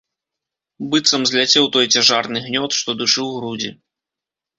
Быццам зляцеў той цяжарны гнёт, што душыў грудзі.